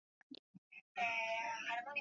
Ntayi eko na makucha ya makali sana